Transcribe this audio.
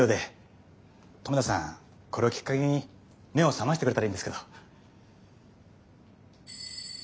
留田さんこれをきっかけに目を覚ましてくれたらいいんですけど。